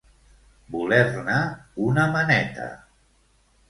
Voler-ne una maneta.